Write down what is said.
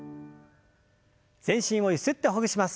全身をゆすってほぐします。